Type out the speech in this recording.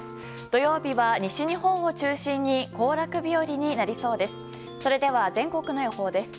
土曜日は西日本を中心に行楽日和になりそうです。